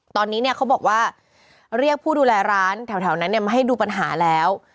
ตอนนี้เนี่ยเขาบอกว่าเรียกผู้ดูแลร้านแถวนั้นเนี่ยมาให้ดูปัญหาแล้ว